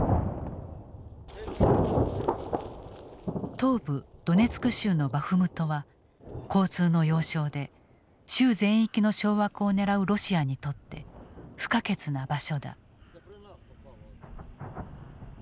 東部ドネツク州のバフムトは交通の要衝で州全域の掌握を狙うロシアにとって不可欠な場所だ。